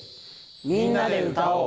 「みんなで歌おう」。